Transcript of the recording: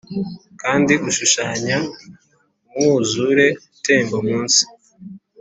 kandi ushushanya umwuzure utemba munsi